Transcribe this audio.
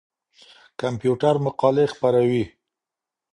کمپيوټر مقالې خپروي.